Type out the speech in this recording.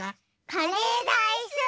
カレーライス！